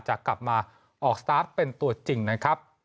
จะกลับมาออกสตาร์ทเป็นตัวจริงนะครับ